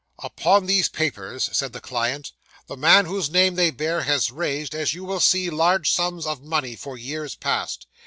'"Upon these papers," said the client, "the man whose name they bear, has raised, as you will see, large sums of money, for years past.